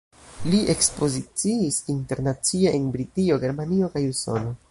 Li ekspoziciis internacie, en Britio, Germanio kaj Usono.